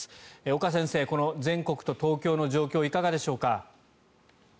岡先生、全国と東京の状況いかがでしょうか？